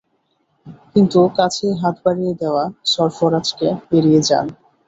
কিন্তু কাছেই হাত বাড়িয়ে দেওয়া সরফরাজকে এড়িয়ে যান।